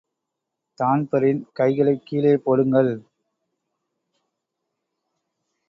தான்பரீன், கைகளைக் கீழே போடுங்கள்!